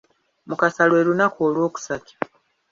Mukasa lwe lunaku olwokusatu